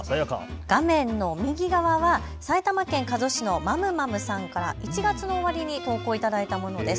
画面の右側は埼玉県加須市のマムマムさんから１月の終わりに投稿いただいたものです。